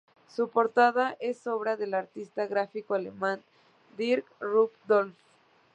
Su portada es obra del artista gráfico alemán Dirk Rudolph.